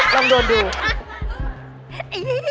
ลองโดนดู